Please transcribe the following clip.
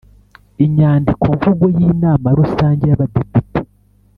inyandikomvugo yInama Rusange yabadepite